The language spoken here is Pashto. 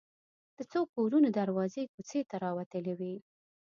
د څو کورونو دروازې کوڅې ته راوتلې وې.